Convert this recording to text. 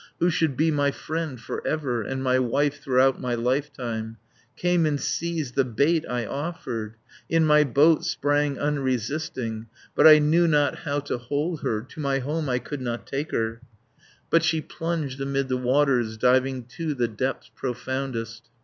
Who should be my friend for ever, And my wife throughout my lifetime, Came and seized the bait I offered, In my boat sprang unresisting, But I knew not how to hold her, To my home I could not take her, But she plunged amid the waters, 190 Diving to the depths profoundest."